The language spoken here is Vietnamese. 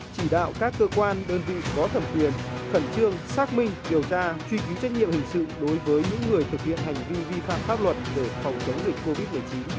chỉ đạo các cơ quan đơn vị có thẩm quyền khẩn trương xác minh điều tra truy ký trách nhiệm hình sự đối với những người thực hiện hành vi vi phạm pháp luật về phòng chống dịch covid một mươi chín